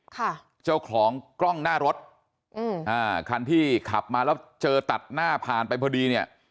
ค่ะเจ้าของกล้องหน้ารถอืมอ่าคันที่ขับมาแล้วเจอตัดหน้าผ่านไปพอดีเนี่ย